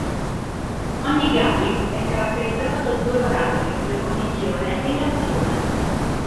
Ogni Gambit è caratterizzato da due parametri: la condizione e l'azione.